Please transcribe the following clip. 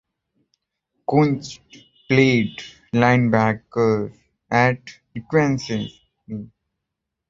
Kuntz played linebacker at Duquesne.